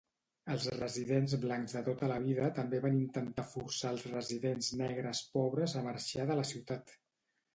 Els residents blancs de tota la vida també van intentar forçar els residents negres pobres a marxar de la ciutat.